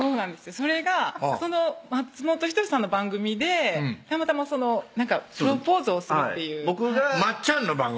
それが松本人志さんの番組でたまたまプロポーズをするっていう松ちゃんの番組？